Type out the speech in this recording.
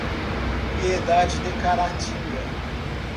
Piedade de Caratinga